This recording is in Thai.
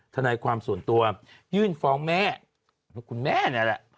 ทนายความส่วนตัวยื่นฟ้องแม่คุณแม่นี่แหละ